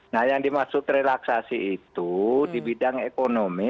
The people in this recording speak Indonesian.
nah yang dimaksud relaksasi itu di bidang ekonomi